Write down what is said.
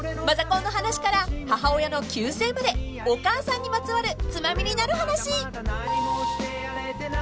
［マザコンの話から母親の旧姓までお母さんにまつわるツマミになる話］